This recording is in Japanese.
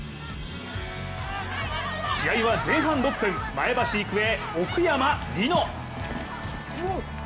試合は前半６分、前橋育英・奥山莉乃。